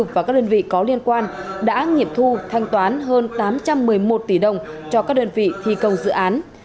và các đơn vị có liên quan đã nghiệp thu thanh toán hơn tám trăm một mươi một tỷ đồng cho các đơn vị thi công dự án